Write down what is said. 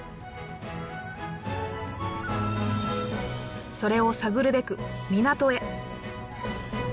では実際それを探るべく港へ。